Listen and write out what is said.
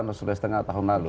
atau sulawesi tenggara tahun lalu